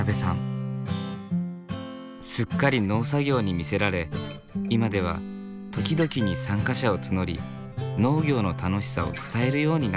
すっかり農作業に魅せられ今では時々に参加者を募り農業の楽しさを伝えるようになった。